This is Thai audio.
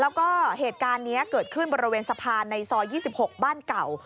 แล้วก็เหตุการณ์นี้เกิดขึ้นบริเวณสะพานในซอย๒๖บ้านเก่า